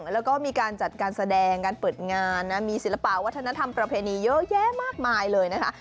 แล้วก็มีการจัดการแสดงการเปิดงานนะมีศิลปะวัฒนธรรมประเพณีเยอะแยะมากมายเลยนะคะ